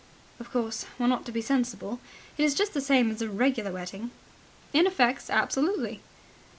"Of course, one ought to be sensible. It is just the same as a regular wedding." "In effects, absolutely."